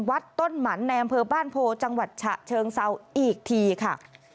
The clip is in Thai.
วัดต้นหมันในอำเภอบ้านโพจังหวัดฉะเชิงเซาอีกทีค่ะ